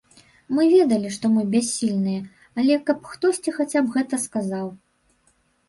Мы ведалі, што мы бяссільныя, але каб хтосьці хаця б гэта сказаў.